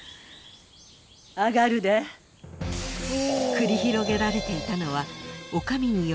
［繰り広げられていたのは女将による］